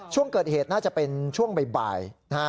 ช่วงเกิดเหตุน่าจะเป็นช่วงบ่ายนะฮะ